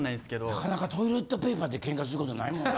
なかなかトイレットペーパーでケンカすることないもんな。